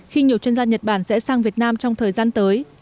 khi nhiều chuyên gia nhật bản sẽ sang việt nam trong thời gian tới